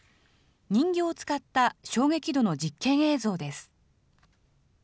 人形を使った衝撃度の実験映像です。